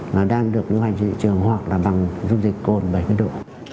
mà đang được nguyên hành trị trường hoặc là bằng dung dịch cồn bảy mươi độ